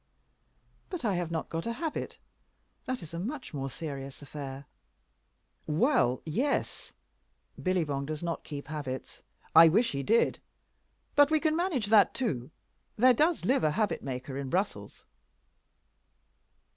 "But I have not got a habit. That is a much more serious affair." "Well, yes. Billibong does not keep habits: I wish he did. But we can manage that too. There does live a habit maker in Brussels."